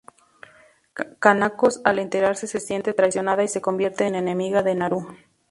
Kanako al enterarse se siente traicionada y se convierte en enemiga de Naru.